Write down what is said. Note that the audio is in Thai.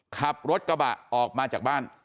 ขับรถกระบะออกมาจากบ้าน